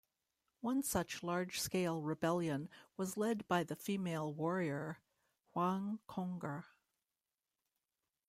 One such large-scale rebellion was led by the female warrior, Wang Cong'er.